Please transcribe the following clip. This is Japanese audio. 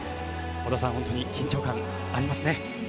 織田さん、緊張感がありますね。